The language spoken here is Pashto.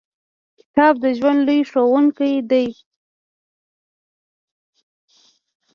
• کتاب د ژوند لوی ښوونکی دی.